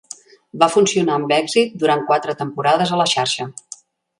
Va funcionar amb èxit durant quatre temporades a la xarxa.